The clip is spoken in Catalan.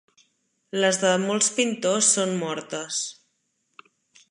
Les de molts pintors són mortes.